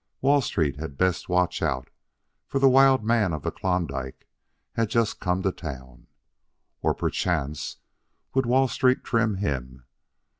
Wall Street had best watch out, for the wild man of Klondike had just come to town. Or, perchance, would Wall Street trim him?